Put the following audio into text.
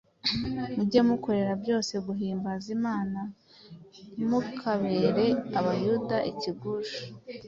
mujye mukorera byose guhimbaza imana. ntimukabere abayuda ikigusha,